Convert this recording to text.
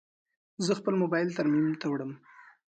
زه خپل موبایل ترمیم ته وړم.